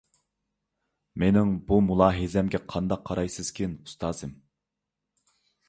مېنىڭ بۇ مۇلاھىزەمگە قانداقراق قارايسىزكىن، ئۇستازىم؟